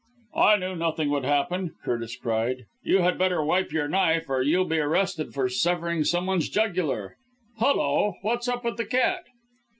"I knew nothing would happen," Curtis cried, "you had better wipe your knife or you'll be arrested for severing some one's jugular. Hulloa! what's up with the cat?"